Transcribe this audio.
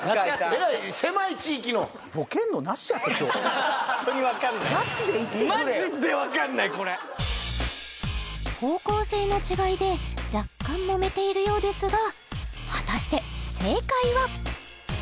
えらい狭い地域のほんっとに分かんないマジで分かんないこれ方向性の違いで若干もめているようですが果たして正解は？